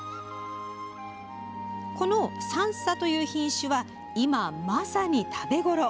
この「さんさ」という品種は今まさに食べ頃。